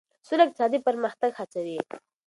سوله اقتصادي پرمختګ هڅوي.